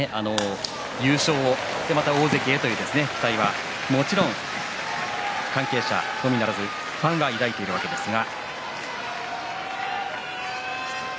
優勝、そしてまた大関へという期待は関係者のみならずファンも抱いているわけですが。